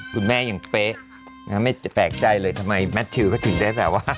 คุณแม่ยังเป๊ะไม่แปลกใจเลยทำไมแมททิวก็ถึงได้แบบว่า